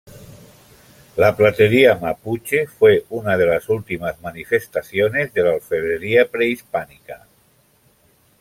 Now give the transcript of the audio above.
La platería mapuche fue una de las últimas manifestaciones de la orfebrería prehispánica.